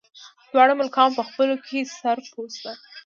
دواړه ملکان په خپلو کې سره پوه شول.